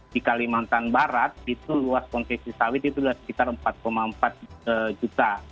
di kalimantan barat itu luas konsesi sawit itu sudah sekitar empat empat juta